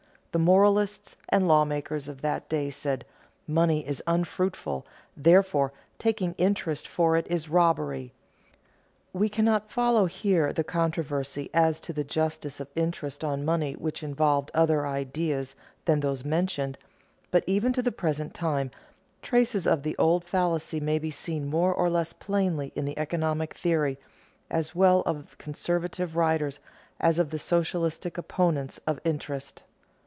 The moralists and lawmakers of that day said: Money is unfruitful, therefore taking interest for it is robbery. We cannot follow here the controversy as to the justice of interest on money which involved other ideas than those mentioned, but even to the present time traces of the old fallacy may be seen more or less plainly in the economic theory as well of conservative writers as of the socialistic opponents of interest.